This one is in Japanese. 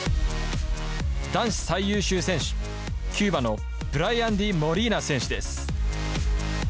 男子最優秀選手、キューバのブライアンディ・モリーナ選手です。